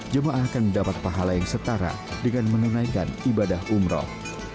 jemaah akan mendapat pahala yang setara dengan menunaikan ibadah umroh